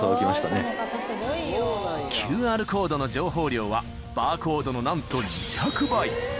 ［ＱＲコードの情報量はバーコードの何と２００倍］